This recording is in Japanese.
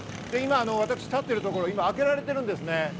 今、私が立てるところ、今開けられているんですね。